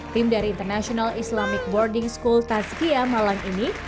tim dari international islamic boarding school taskia malang ini